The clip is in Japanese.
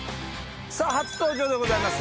さぁ初登場でございます